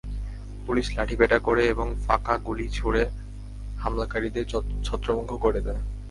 Police লাঠিপেটা করে এবং ফাঁকা গুলি ছুড়ে হামলাকারীদের ছত্রভঙ্গ করে দেয়।